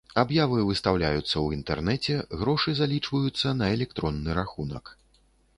Аб'явы выстаўляюцца ў інтэрнэце, грошы залічваюцца на электронны рахунак.